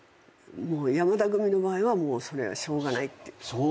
山田組の場合はもうそれはしょうがないっていう。